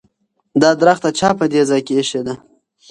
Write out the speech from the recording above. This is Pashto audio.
دا ونه چا په دې ځای کې ایښې ده؟